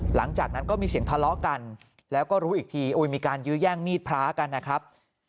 หลังจากนั้นก็มีเสียงทะเลาะกันแล้วก็รู้อีกทีมีการยื้อแย่งมีดพระกันนะครับ